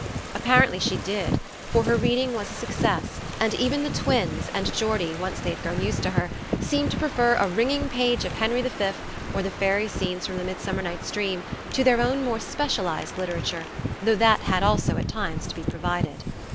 Apparently she did; for her reading was a success, and even the twins and Geordie, once they had grown used to her, seemed to prefer a ringing page of Henry V, or the fairy scenes from the Midsummer Night's Dream, to their own more specialized literature, though that had also at times to be provided.